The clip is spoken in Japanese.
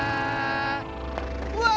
うわ！